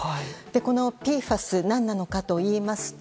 このＰＦＡＳ何なのかといいますと